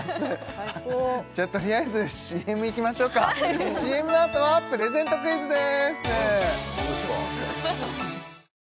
最高じゃとりあえずＣＭいきましょうかＣＭのあとはプレゼントクイズです